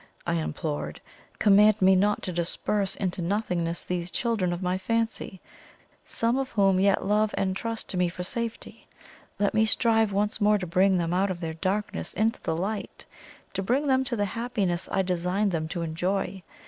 I implored. "Command me not to disperse into nothingness these children of my fancy, some of whom yet love and trust to me for safety. Let me strive once more to bring them out of their darkness into the light to bring them to the happiness I designed them to enjoy.